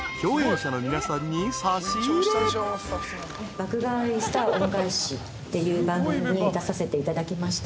『爆買い☆スター恩返し』って番組に出させていただきまして。